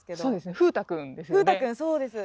風太くんですね。